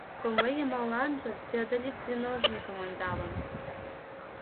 Коҥла йымаланже теодолит треножникым ӧндалын.